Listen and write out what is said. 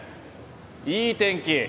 いい天気！